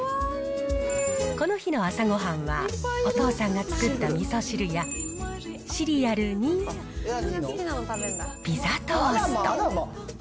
この日の朝ごはんはお父さんが作ったみそ汁や、シリアルにピザトースト。